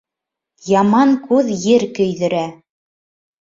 Яман күҙ ер көйҙөрә